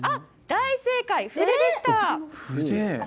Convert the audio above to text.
大正解、筆でした。